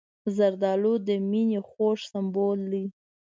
زردالو د مینې خوږ سمبول دی.